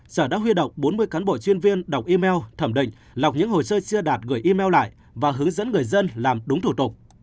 sở đã huy động bốn mươi cán bộ chuyên viên đọc email thẩm định lọc những hồ sơ chưa đạt gửi email lại và hướng dẫn người dân làm đúng thủ tục